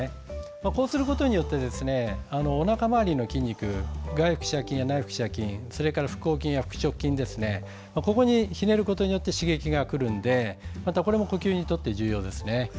こうすることによっておなか回りの筋肉外腹斜筋や内腹斜筋腹横筋や腹直筋ひねることでここに刺激がくるのでこれも呼吸にとって重要ですね。